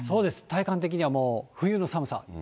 体感的にはもう冬の寒さ。